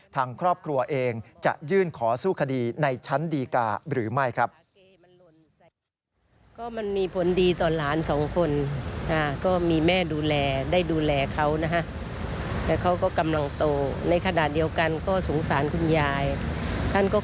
ทางครอบครัวเองจะยื่นขอสู้คดีในชั้นดีกาหรือไม่ครับ